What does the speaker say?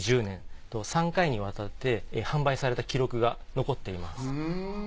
１９１０年３回にわたって販売された記録が残っています。